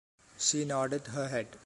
She nodded her head.